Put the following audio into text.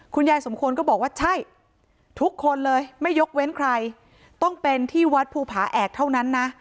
ยายสมควรก็บอกว่าใช่ทุกคนเลยไม่ยกเว้นใครต้องเป็นที่วัดภูผาแอกเท่านั้นนะ